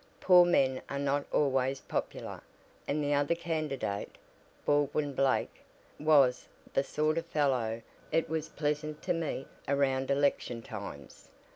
Poor men are not always popular, and the other candidate, Baldwin Blake, was the sort of fellow it was pleasant to meet around election times.